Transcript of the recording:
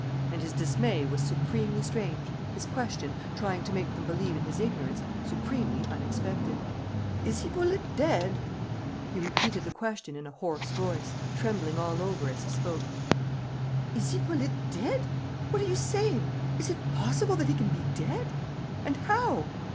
And his dismay was supremely strange, his question, trying to make them believe in his ignorance, supremely unexpected. "Is Hippolyte dead?" He repeated the question in a hoarse voice, trembling all over as he spoke. "Is Hippolyte dead? What are you saying? Is it possible that he can be dead? And how?